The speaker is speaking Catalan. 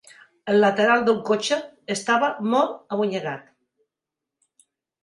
El lateral del cotxe estava molt abonyegat